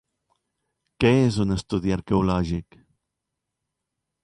Què és un estudi arqueològic?